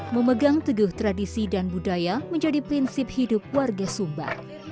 memegang teguh tradisi dan budaya menjadi prinsip hidup warga sumba